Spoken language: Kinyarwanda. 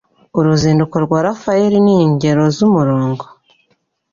Uruzinduko rwa Raphael n'ingero z'umurongo